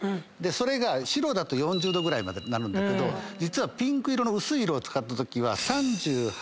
それが白だと４０度ぐらいまでになるけど実はピンク色の薄い色を使ったときは３８．４度まで下がる。